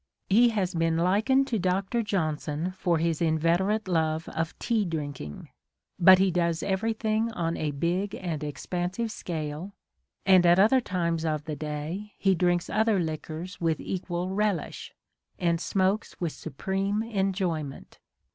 He has been likened to Dr. Johnson for his inveterate love of tea drinking : but he does everything on a big and expansive scale, and at other times of the day he drinks other liquors with equal relish, and smokes with supreme enjoyment.